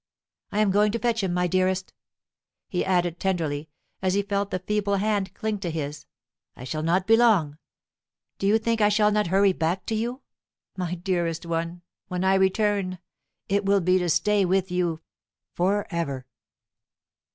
I am going to fetch him, my dearest," he added tenderly, as he felt the feeble hand cling to his; "I shall not be long. Do you think I shall not hurry back to you? My dearest one, when I return, it will be to stay with you for ever."